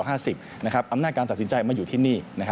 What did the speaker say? อำนาจการตัดสินใจมาอยู่ที่นี่